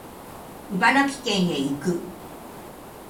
茨城県へ行く